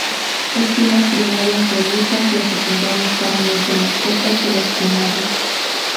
Espinas primarias robustas; las secundarias claramente más cortas que las primarias.